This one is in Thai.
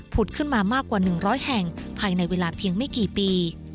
ขึ้นมามากกว่า๑๐๐แห่งภายในเวลาเพียงไม่กี่ปี